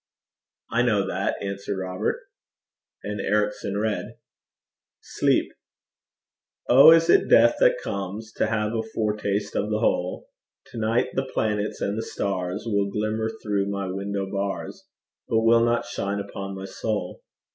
'I know that,' answered Robert. And Ericson read. SLEEP. Oh, is it Death that comes To have a foretaste of the whole? To night the planets and the stars Will glimmer through my window bars, But will not shine upon my soul.